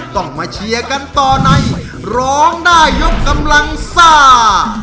ต้องมาเชียร์กันต่อในร้องได้ยกกำลังซ่า